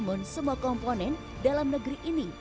namun semua komponen dalam negeri ini